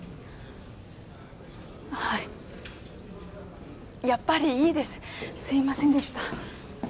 ああやっぱりいいですすいませんでした